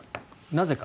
なぜか。